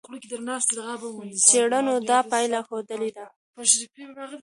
څېړنو دا پایله ښودلې ده.